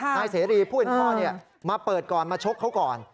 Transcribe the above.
นายเสรีผู้เป็นพ่อมาเปิดก่อนมาชกเขาก่อน